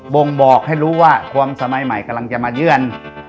่งบอกให้รู้ว่าความสมัยใหม่กำลังจะมาเยื่อน